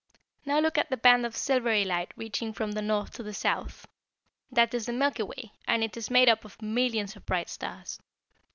] "Now look at the band of silvery light reaching from the north to the south. That is the Milky Way, and it is made up of millions of bright stars.